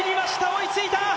追いついた。